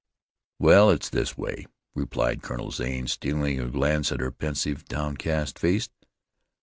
"Well, it's this way," replied Colonel Zane, stealing a glance at her pensive, downcast face.